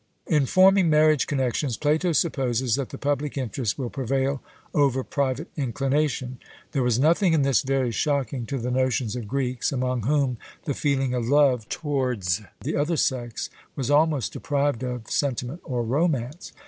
In forming marriage connexions, Plato supposes that the public interest will prevail over private inclination. There was nothing in this very shocking to the notions of Greeks, among whom the feeling of love towards the other sex was almost deprived of sentiment or romance.